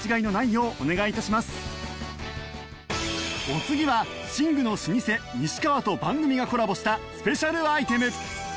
お次は寝具の老舗西川と番組がコラボしたスペシャルアイテム